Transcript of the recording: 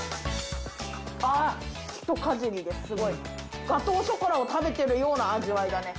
ひとかじりですごい、ガトーショコラを食べてるような味わいだね。